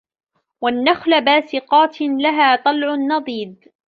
وَالنَّخلَ باسِقاتٍ لَها طَلعٌ نَضيدٌ